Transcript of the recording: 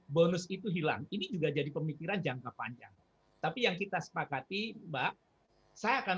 bonus itu hilang ini juga jadi pemikiran jangka panjang tapi yang kita sepakati mbak saya akan